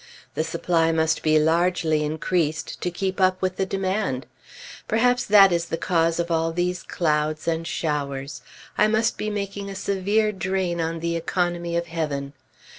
The supply must be largely increased, to keep up with the demand; perhaps that is the cause of all these clouds and showers; I must be making a severe drain on the economy of heaven.